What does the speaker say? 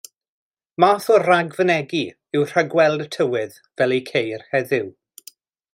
Math o ragfynegi yw rhagweld y tywydd, fel y'i ceir heddiw.